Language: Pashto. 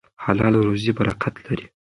حلاله روزي برکت لري.